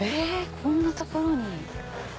こんな所に。